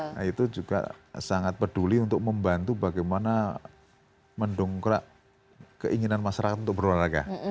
nah itu juga sangat peduli untuk membantu bagaimana mendongkrak keinginan masyarakat untuk berolahraga